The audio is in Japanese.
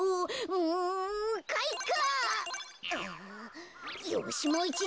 うんかいか！